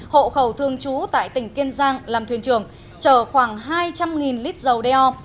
hộ khẩu thương trú tại tỉnh kiên giang làm thuyền trưởng trở khoảng hai trăm linh lít dầu deo